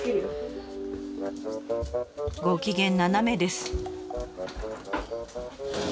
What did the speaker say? ご機嫌斜めです。